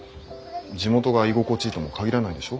地元が居心地いいとも限らないでしょ？